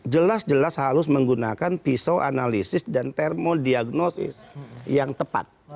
jelas jelas harus menggunakan pisau analisis dan termodiagnosis yang tepat